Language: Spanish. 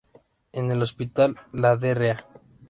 En el hospital, la Dra.